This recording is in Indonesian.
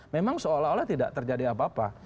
memang seolah olah tidak terjadi apa apa